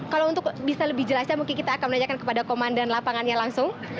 kalau untuk bisa lebih jelasnya mungkin kita akan menanyakan kepada komandan lapangannya langsung